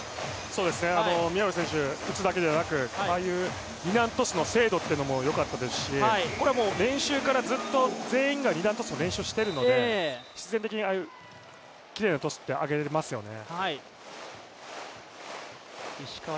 宮浦選手、打つだけではなくああいう二段トスの精度もよかったですしこれはもう練習からずっと全員が二段トスの練習をしているので必然的にああいうきれいなトスを上げられますよね。